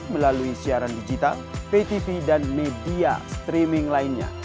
melalui siaran digital patv dan media streaming lainnya